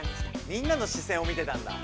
みんなの視線を見てたんだ。